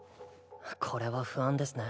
これは不安ですね。